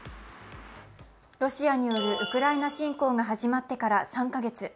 ロシアによるウクライナ侵攻が始まってから３カ月。